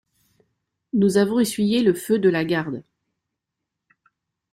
Nous avons essuyé le feu de la garde.